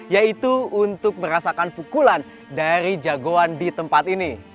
yaitu untuk merasakan pukulan dari jagoan di tempat ini